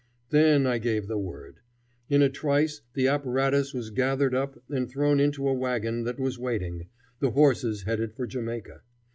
Then I gave the word. In a trice the apparatus was gathered up and thrown into a wagon that was waiting, the horses headed for Jamaica.